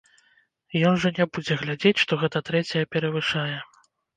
Ён жа не будзе глядзець, што гэта трэцяя перавышае.